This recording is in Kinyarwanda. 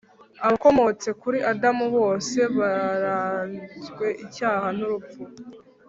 Abakomotse kuri Adamu bose barazwe icyaha n urupfu